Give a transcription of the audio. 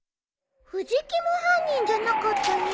藤木も犯人じゃなかったね。